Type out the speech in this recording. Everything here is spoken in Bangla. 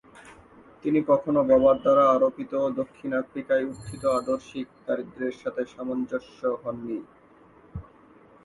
তিনি কখনও বাবার দ্বারা আরোপিত দক্ষিণ আফ্রিকায় উত্থিত আদর্শিক দারিদ্র্যের সাথে সামঞ্জস্য হন নি।